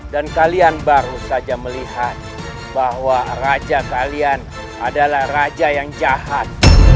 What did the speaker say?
dan kalian baru saja melihat bahwa raja kalian adalah raja yang jahat